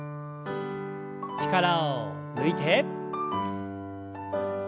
力を抜いて。